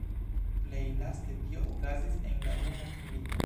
Plej laste tio okazis en la Dua Mondmilito.